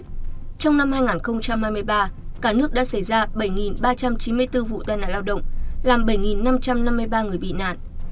trong năm hai nghìn hai mươi ba cả nước đã xảy ra bảy ba trăm chín mươi bốn vụ tai nạn lao động làm bảy năm trăm năm mươi ba người bị nạn